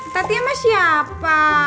tati sama siapa